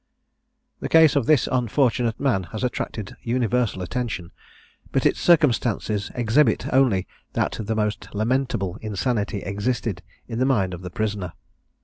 The case of this unfortunate man has attracted universal attention, but its circumstances exhibit only that the most lamentable insanity existed in the mind of the prisoner.